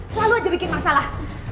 selalu aja bikin masalah